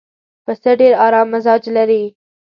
پسه ډېر ارام مزاج لري.